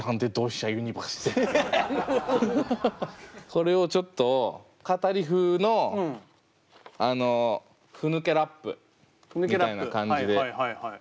これをちょっと語り風のあのふぬけラップみたいな感じで。